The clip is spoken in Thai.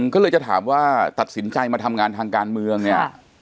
ก็เลยจะถามว่าตัดสินใจมาทำงานทางการเมืองเนี่ย